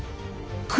黒！？